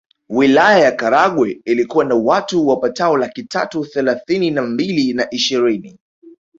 Wilaya ya Karagwe ilikuwa na watu wapatao laki tatu thelathini na mbili na ishirini